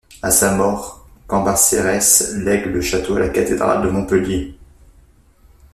À sa mort, Cambacérès lègue le château à la cathédrale de Montpellier.